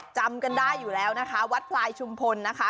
จำกันได้อยู่แล้วนะคะวัดพลายชุมพลนะคะ